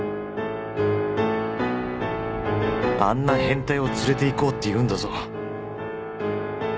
あんな変態を連れていこうっていうんだぞ